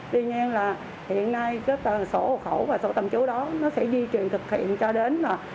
tuy nhiên là hiện nay cái số hộ khẩu và số tạm trú đó nó sẽ di truyền thực hiện cho đến là